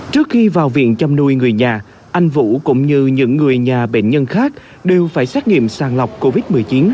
trước khi vào viện chăm nuôi người nhà anh vũ cũng như những người nhà bệnh nhân khác đều phải xét nghiệm sàng lọc covid một mươi chín